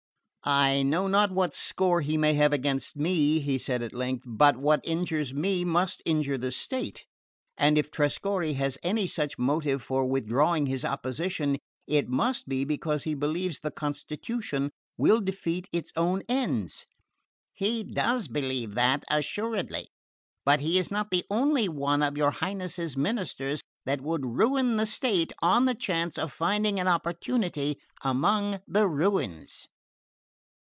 "I know not what score he may have against me," he said at length; "but what injures me must injure the state, and if Trescorre has any such motive for withdrawing his opposition, it must be because he believes the constitution will defeat its own ends." "He does believe that, assuredly; but he is not the only one of your Highness's ministers that would ruin the state on the chance of finding an opportunity among the ruins."